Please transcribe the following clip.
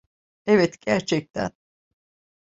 Evet, gerçekten.